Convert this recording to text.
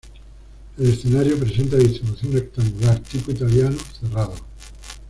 El escenario presenta distribución rectangular, tipo italiano, cerrado.